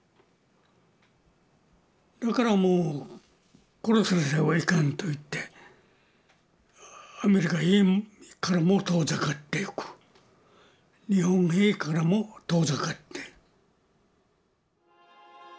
だからもう殺されてはいかんといってアメリカ兵からも遠ざかっていく日本兵からも遠ざかって。